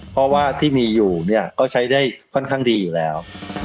เพราะว่าที่มีอยู่เนี่ยก็ใช้ได้ค่อนข้างดีอยู่แล้ว